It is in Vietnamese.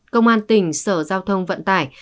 công an tỉnh sở giao thông vận tải